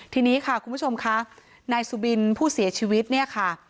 ทีนี้ค่ะคุณผู้ชมค่ะนายสุบินผู้เสียชีวิตเนี่ยค่ะ